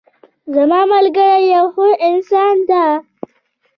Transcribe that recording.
زما ملګری یو ښه انسان ده